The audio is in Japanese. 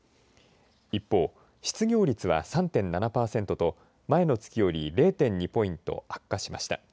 一方失業率は３．７パーセントと前の月より０．２ポイント悪化しました。